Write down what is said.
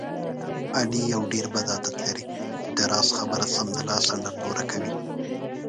علي یو ډېر بد عادت لري. د راز خبره سمدلاسه ډنډوره کوي.